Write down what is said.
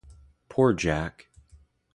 Poor Jack!